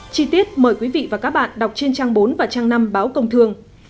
chi tiết mời quý vị và các bạn đọc trên trang bốn và trang năm báo công thương